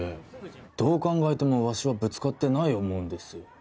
どう考えてもわしはぶつかってない思うんですよ